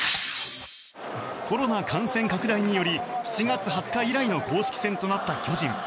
コロナ感染拡大により７月２０日以来の公式戦となった巨人。